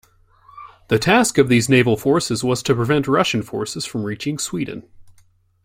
The task of these naval forces was to prevent Russian forces from reaching Sweden.